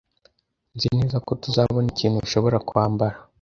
Nzi neza ko tuzabona ikintu ushobora kwambara